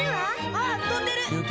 「あっ飛んでる！」